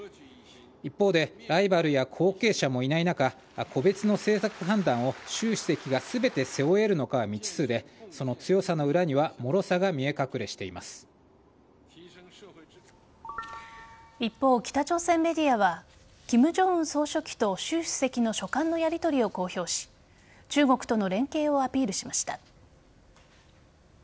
一方でライバルや後継者もいない中個別の政策判断を習主席が全て背負えるのかは未知数でその強さの裏には一方、北朝鮮メディアは金正恩総書記と習主席の書簡のやりとりを公表し中国との連携をアピールしました。